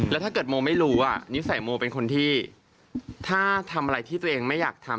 แล้วถ้าเกิดโมไม่รู้นิสัยโมเป็นคนที่ถ้าทำอะไรที่ตัวเองไม่อยากทำ